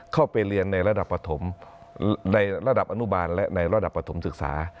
เข้าไปเรียนในระดับในระดับอนุบาลและในระดับประถมศึกษา